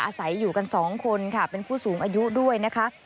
อาศัยอยู่กันสองคนค่ะเป็นผู้สูงอายุด้วยนะคะ